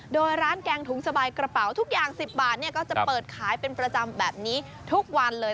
โดยร้านแกงถุงสบายกระเป๋าทุกอย่าง๑๐บาทก็จะเปิดขายเป็นประจำแบบนี้ทุกวันเลย